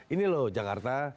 ini loh jakarta